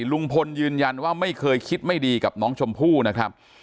ลุงพลยืนยันว่าไม่เคยคิดไม่ดีกับน้องชมพู่นะครับ